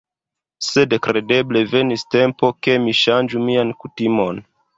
Sed kredeble venis tempo, ke mi ŝanĝu mian kutimon.